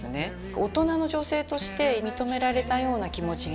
大人の女性として認められたような気持ちになって。